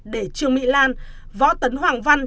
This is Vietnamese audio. để trường mỹ lan võ tấn hoàng văn